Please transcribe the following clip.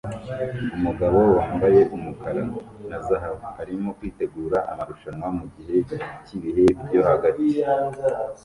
Umugabo wambaye umukara na zahabu arimo kwitegura amarushanwa mugihe cyibihe byo hagati